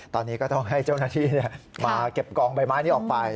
ตอนนี้ก็ต้องให้เจ้าหน้าที่มาเก็บกองใบไม้นี้ออกไป